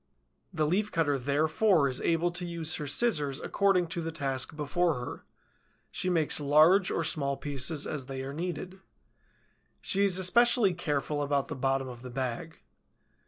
The Leaf cutter therefore is able to use her scissors according to the task before her; she makes large or small pieces as they are needed. She is especially careful about the bottom of the bag.